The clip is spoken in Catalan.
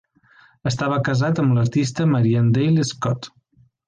Estava casat amb l'artista Marian Dale Scott.